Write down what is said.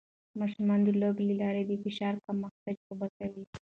ماشومان د لوبو له لارې د فشار کمښت تجربه کوي.